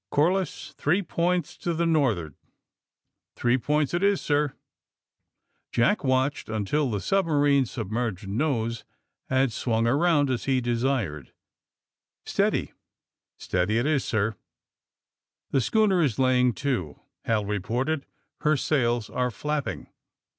Cor liss, three points to the north 'ard." "Three points it is, sir." Jack watched until the submarine's sub merged nose had swung around as he desired. AND THE SMUGGLEES 203 ^'Steady!'' '* Steady it is, sir/* *^The scliooner is laying to," Hal reported. *'Her sails are flapping.''